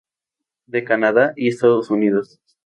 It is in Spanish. De Canadá y Estados Unidos.